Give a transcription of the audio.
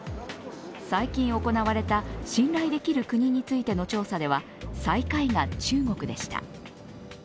最近行われた信頼できる国についての調査では最下位が中国でした。